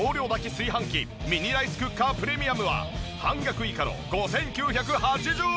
炊飯器ミニライスクッカープレミアムは半額以下の５９８０円。